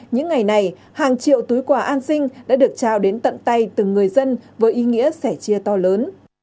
những ngày này hàng triệu túi quà an sinh đã được trao đến tận tay từng người dân với ý nghĩa sẻ chia to lớn